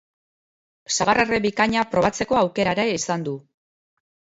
Sagar erre bikaina probatzeko aukera ere izango du.